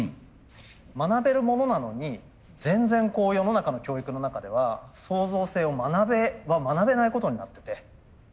学べるものなのに全然世の中の教育の中では創造性を学べないことになってて。